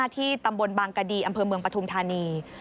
ที่ตำบลบางกดีอำเภอเมืองปฐุมธานี